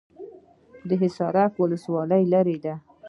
د حصارک ولسوالۍ لیرې ده